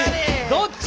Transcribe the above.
どっち？